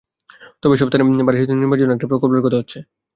তবে এসব স্থানে ভারী সেতু নির্মাণের জন্য একটি প্রকল্পের কথা হচ্ছে।